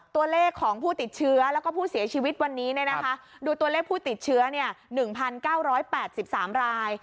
ตัวเลขของผู้ติดเชื้อแล้วก็ผู้เสียชีวิตวันนี้ดูตัวเลขผู้ติดเชื้อ๑๙๘๓ราย